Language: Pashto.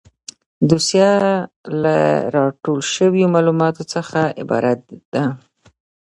دوسیه له راټول شویو معلوماتو څخه عبارت ده.